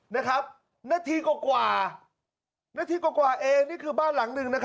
นาทีกว่าเองนี่คือบ้านหลังหนึ่ง